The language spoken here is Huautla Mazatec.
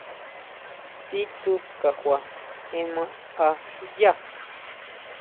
Sí tsú kajua ema a yá.